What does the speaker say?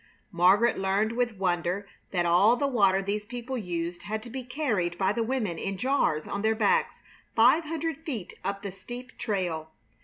Margaret learned with wonder that all the water these people used had to be carried by the women in jars on their backs five hundred feet up the steep trail.